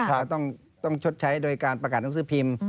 ก็ต้องชดใช้โดยการประกาศหนังสือพิมพ์